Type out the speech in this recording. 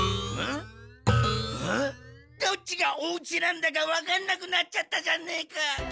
どっちがおうちなんだかわかんなくなっちゃったじゃねえか。